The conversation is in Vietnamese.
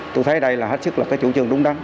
tôi thấy đây là hết sức là cái chủ trương đúng đắn